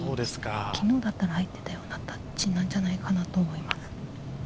昨日だったら入っていたような、タッチなんじゃないかなと思いま